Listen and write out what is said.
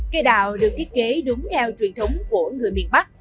cây đào được thiết kế đúng theo truyền thống của người miền bắc